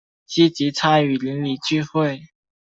积极参与邻里聚会